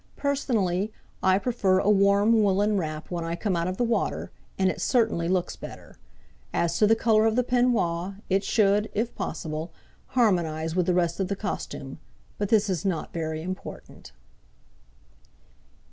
Personally I prefer a warm woollen wrap when I come out of the water, and it certainly looks better. As to the colour of the peignoir, it should, if possible, harmonise with the rest of the costume, but this is not very important.